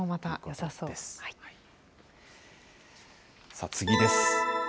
さあ、次です。